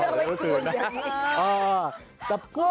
ใส่เสื้อไว้คืนเห็นก็ผิด